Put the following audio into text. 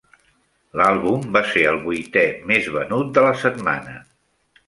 L'àlbum va ser el vuitè més venut de la setmana.